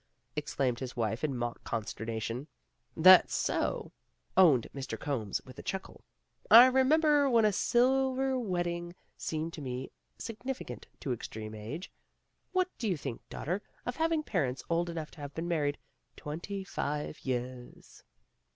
exclaimed his wife in mock consternation. "That's so," owned Mr. Combs with a chuckle. "I remember when a silver wedding seemed to me significant of extreme age. What do you think, daughter, of having parents old enough to have been married twenty five years?"